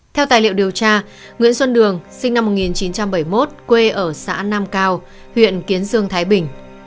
theo tài liệu điều tra nguyễn xuân đường sinh năm một nghìn chín trăm bảy mươi một quê ở xã nam cao huyện kiến sương thái bình